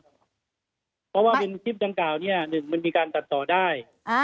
เพราะว่าเป็นคลิปดังกล่าวเนี่ยหนึ่งมันมีการตัดต่อได้